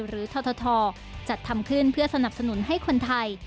ททจัดทำขึ้นเพื่อสนับสนุนให้คนไทย